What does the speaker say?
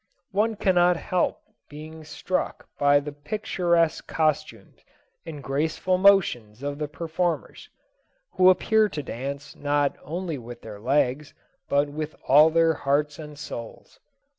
One cannot help being struck by the picturesque costumes and graceful motions of the performers, who appear to dance not only with their legs, but with all their hearts and souls.